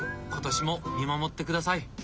今年も見守ってください。